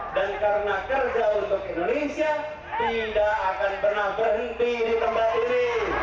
dan karena kerja untuk indonesia tidak akan pernah berhenti di tempat ini